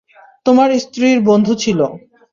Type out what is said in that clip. তোমার স্ত্রীর বন্ধু ছিল।